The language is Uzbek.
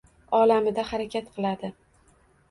olamida harakat qiladi.